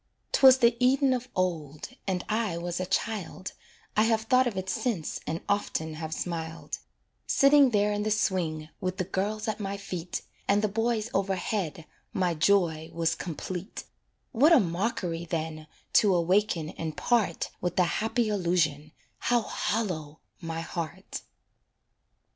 'Twas the Eden of old, and I was a child (I have thought of it since and often have smiled); Sitting there in the swing, with the girls at my feet, And the boys overhead my joy was complete; What a mockery, then, to awaken and part With the happy illusion how hollow my heart!